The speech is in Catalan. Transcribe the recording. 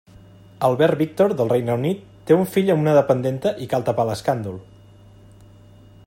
Albert Víctor del Regne Unit té un fill amb una dependenta i cal tapar l'escàndol.